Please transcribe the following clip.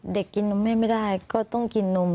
เด็กกินนุ่มให้ไม่ได้ก็ต้องกินนุ่ม